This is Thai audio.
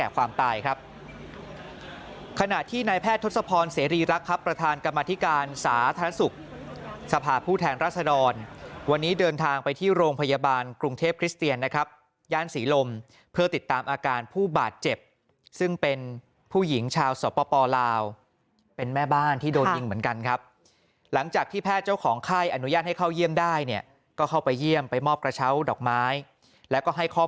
ครับขณะที่นายแพทย์ทศพรเสรีรักครับประธานกรรมธิการสาธารสุขสภาพผู้แทนราษฎรวันนี้เดินทางไปที่โรงพยาบาลกรุงเทพคริสเตียนนะครับย่านศรีลมเพื่อติดตามอาการผู้บาดเจ็บซึ่งเป็นผู้หญิงชาวสวปปอลาวเป็นแม่บ้านที่โดนยิงเหมือนกันครับหลังจากที่แพทย์เจ้าของไข้อนุญาตให้เข้าเ